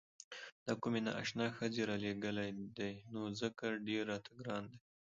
دا کومې نا اشنا ښځې رالېږلي دي نو ځکه ډېر راته ګران دي.